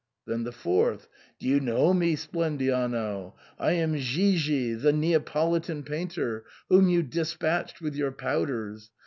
Then the fourth, " Do you know me, Splendiano ? I am Ghigi, the Neapolitan painter, whom you de spatched with your powders."